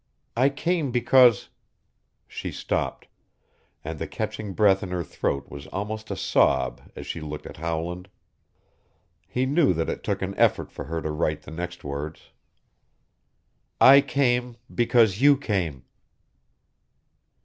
I came because " She stopped, and the catching breath in her throat was almost a sob as she looked at Howland. He knew that it took an effort for her to write the next words. "I came because you came."